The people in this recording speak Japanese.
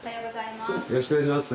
よろしくお願いします。